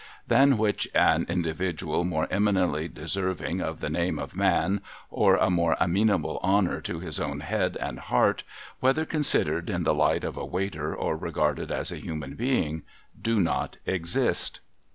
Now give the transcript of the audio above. than which a individual more eminently deserving of the name of man, or a more amenable honour to his own head and heart, whether considered in the light of a Waiter or regarded as a human being, do not exist.